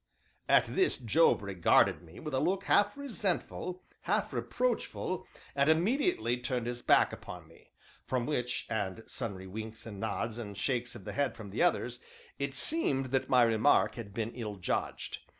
At this Job regarded me with a look half resentful, half reproachful, and immediately turned his back upon me; from which, and sundry winks and nods and shakes of the head from the others, it seemed that my remark had been ill judged.